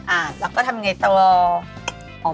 อ่ะแล้วก็ทำอย่างไรตลอด